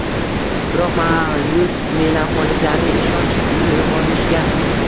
biroq mayus melanxoliklarda ishonch hissini uyg‘onishiga